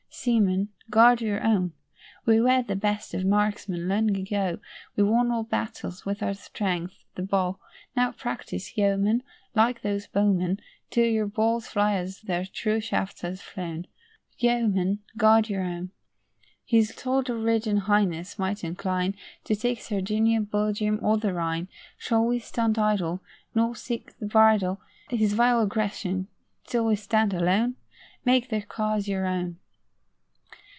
Seamen, guard your own. We were the best of marksmen long ago, We won old battles with our strength, the bow. Now practise, yeomen, Like those bowmen, Till your balls fly as their true shafts have flown. Yeomen, guard your own. His soldier ridden Highness might incline To take Sardinia, Belgium, or the Rhine: Shall we stand idle, Nor seek to bridle His vile aggressions, till we stand alone? Make their cause your own.